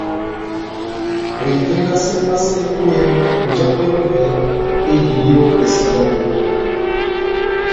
Ohivengase vasɛ ó iha njambwɛ yɔvɛ ediyidi ovɛlɛsɛ iha búwa.